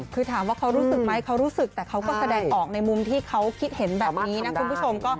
คือถามว่าเขารู้สึกไหมเขารู้สึกแต่เขาก็แสดงออกในมุมที่เขาคิดเห็นแบบนี้นะคุณผู้ชม